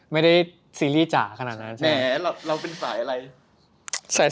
ไม่ได้ซีรีย์จ๋าขนาดนั้นใช่ไหม